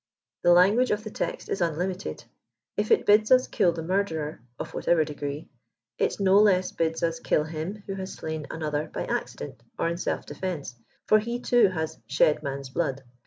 The language of the text is unlimited. If it h\d$ tts kill the murderer, of whatever degree, it no less bids us kill him Mvho has slain another by accident or in self defense, for he too has shed man's blood."